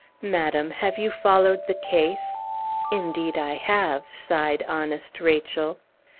"Madam, have you followed the case?" "Indeed I have," sighed honest Rachel.